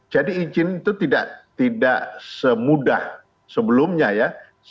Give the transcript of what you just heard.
jadi izin itu tidak semudah sebelumnya ya